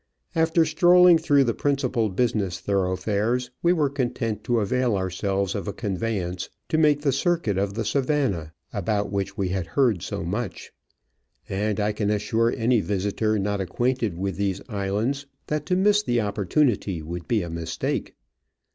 After strolHng through the principal business thorough fares, we were content to avail ourselves of a convey ance to make the circuit of the Savanna, about which we had heard so much ; and I can assure any visitor not acquainted with these islands that to miss the opportunity would be a mistake.